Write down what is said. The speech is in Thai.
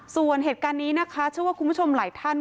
ส่วนเหตุการณ์นี้นะคะเชื่อว่าคุณผู้ชมหลายท่าน